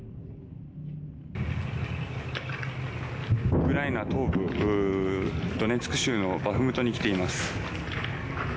ウクライナ東部、ドネツク州のバフムトに来ています。